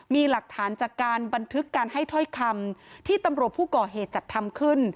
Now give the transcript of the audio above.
มีหลักฐานจากการบันทึกการให้ถ้อยคำที่ตำรวจผู้ก่อเหตุจัดทำขึ้น